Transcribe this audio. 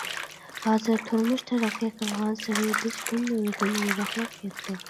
ھازىر تۇرمۇش تەرەققىي قىلغانسېرى بىز كۈن نۇرىدىن يىراقلاپ كەتتۇق.